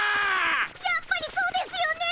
やっぱりそうですよね。